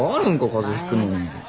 風邪ひくのに。